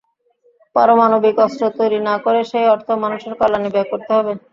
পারমাণবিক অস্ত্র তৈরি না করে সেই অর্থ মানুষের কল্যাণে ব্যয় করতে হবে।